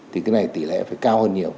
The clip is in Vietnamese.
thì cái này tỷ lệ phải cao hơn nhiều